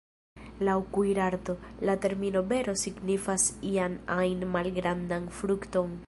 Laŭ kuirarto, la termino ""bero"" signifas ian ajn malgrandan frukton.